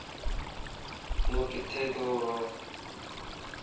يوڪٿي تو ره؟